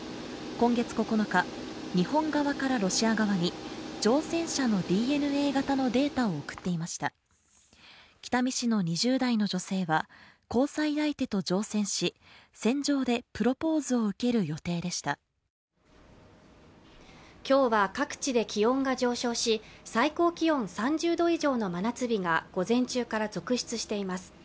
今月９日日本側からロシア側に乗船者のＤＮＡ型のデータを送っていました北見市の２０代の女性は交際相手と乗船し船上でプロポーズを受ける予定でした今日は各地で気温が上昇し最高気温３０度以上の真夏日が午前中から続出しています